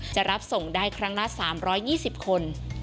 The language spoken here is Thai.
จะรับส่งได้ครั้งละ๓๒๐คน